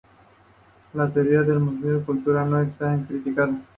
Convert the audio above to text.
La teoría del mosaico cultural no está exenta de críticas.